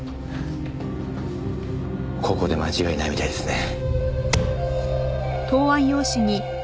ここで間違いないみたいですね。